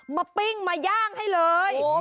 ปิ้งมาย่างให้เลย